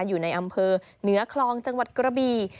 อยู่ในอำเภอเหนือคลองจังหวัดกระบี